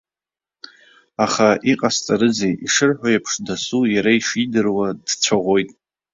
Аха иҟасҵарызеи, ишырҳәо еиԥш, дасу иара ишидыруа дцәаӷәоит.